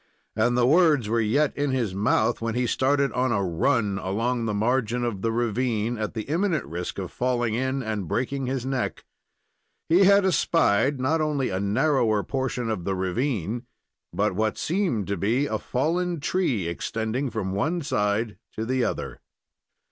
And the words were yet in his mouth, when he started on a run along the margin of the ravine, at the imminent risk of falling in and breaking his neck. He had espied not only a narrower portion of the ravine, but what seemed to be a fallen tree extending from one side to the other.